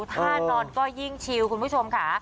ท่านอนก็ยิ่งชิวคุณผู้ชมค่ะ